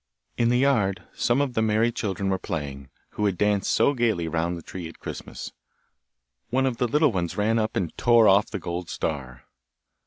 In the yard some of the merry children were playing, who had danced so gaily round the tree at Christmas. One of the little ones ran up, and tore off the gold star.